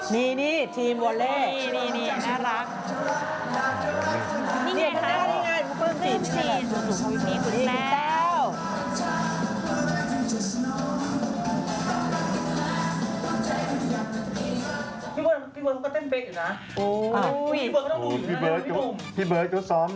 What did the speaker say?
นี่นี่ทีมบัวเล่นี่นี่นี่